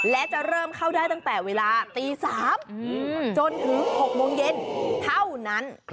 และจะเริ่มเข้าได้ตั้งแต่เวลาตี๓จนถึง๖โมงเย็นเท่านั้น